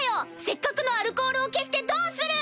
せっかくのアルコールを消してどうする！